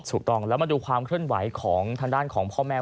ถูกต้องแล้วมาดูความเคลื่อนไหวของทางด้านของพ่อแม่